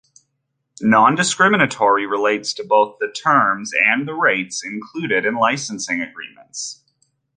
Non-discriminatory relates to both the terms and the rates included in licensing agreements.